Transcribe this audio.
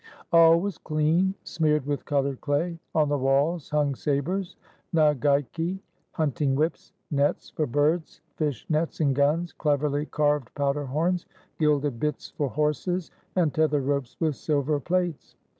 All was clean, smeared with colored clay. On the walls hung sabers, nagaiki [hunting whips], nets for birds, fish 55 RUSSIA nets and guns, cleverly carved powderhorns, gilded bits for horses, and tether ropes with silver plates.